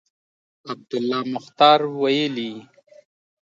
عبدالله مختیار ویلي